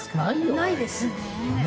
ないですね。